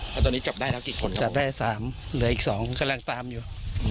แล้วตอนนี้จับได้แล้วกี่คนครับได้สามอีกสองกำลังตามอยู่